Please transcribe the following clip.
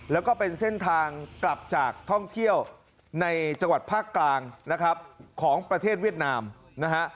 แล้วก็เป็นเส้นทางกลับจากท่องเที่ยวในจังหวัดภาคกลางนะครับของประเทศเวียดนามนะฮะ